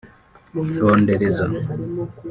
rondereza